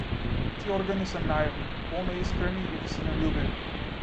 Тие органи се наивни, болно искрени и вистинољубиви.